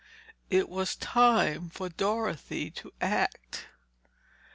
It was time for Dorothy to act.